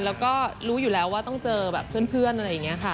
แล้วก็รู้อยู่แล้วว่าต้องเจอแบบเพื่อนอะไรอย่างนี้ค่ะ